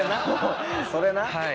それな。